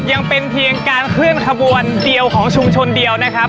ยังเป็นเพียงการเคลื่อนขบวนเดียวของชุมชนเดียวนะครับ